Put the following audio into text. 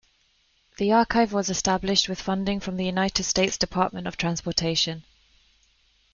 The archive was established with funding from the United States Department of Transportation.